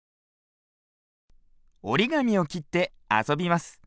おりがみをきってあそびます。